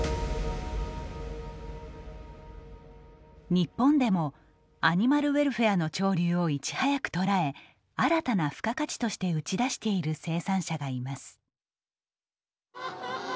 日本でもアニマルウェルフェアの潮流をいち早く捉え新たな付加価値として打ち出している生産者がいます。